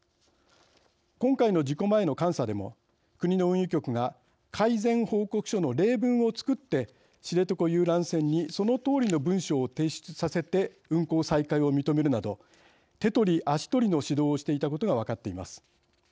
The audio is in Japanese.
今回の事故前の監査でも国の運輸局が改善報告書の例文を作って知床遊覧船にそのとおりの文書を提出させて運航再開を認めるなど手取り足取りの指導をしていたことが分かっています。